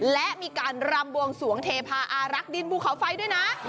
และมีการรำบวงสวงเทพาอารักดินภูเขาไฟด้วยนะ